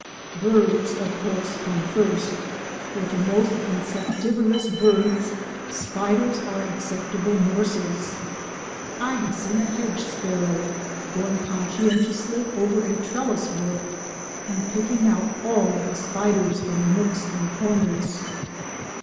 Birds, of course, come first, for to most insectivorous birds spiders are acceptable morsels. I have seen a hedge sparrow going conscientiously over a trellis work and picking out all the spiders from the nooks and corners.